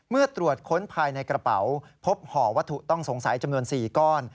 เมื่อตรวจค้นภายในกระเป๋าพบห่อวัตถุต้องสงสัยจำนวน๔ก้อน